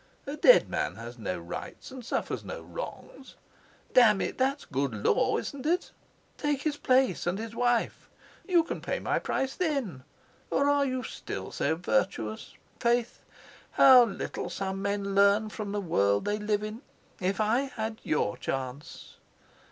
A dead man has no rights and suffers no wrongs. Damn it, that's good law, isn't it? Take his place and his wife. You can pay my price then. Or are you still so virtuous? Faith, how little some men learn from the world they live in! If I had your chance!"